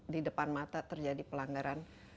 di depan mata terjadi pelanggaran